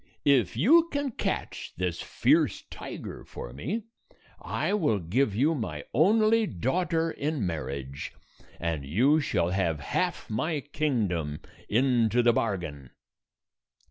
If you can catch this fierce tiger for me, I will give you my only daughter in marriage, and you shall have half my kingdom into the bargain."